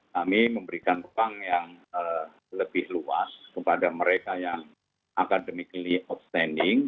kami memberikan ruang yang lebih luas kepada mereka yang academically outstanding